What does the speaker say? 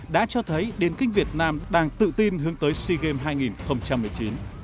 đã cho thấy điền kinh việt nam đang tự tin hướng tới sea games hai nghìn một mươi chín